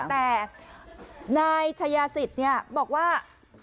แต่นายชายสิตรับสารภาพบอกว่า